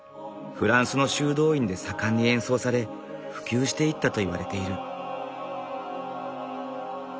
フランスの修道院で盛んに演奏され普及していったといわれている。